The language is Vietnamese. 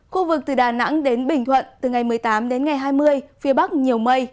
khu vực từ đà nẵng đến bình thuận từ ngày một mươi tám đến ngày hai mươi phía bắc nhiều mây